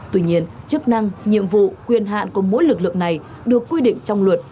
tuy nhiên chức năng nhiệm vụ quyền hạn của mỗi lực lượng này được quy định trong luật